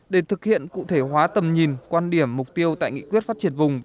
để thực hiện cụ thể hóa tầm nhìn quan điểm mục tiêu tại nghị quyết phát triển vùng